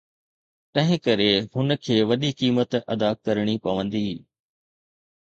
تنهنڪري هن کي وڏي قيمت ادا ڪرڻي پوندي.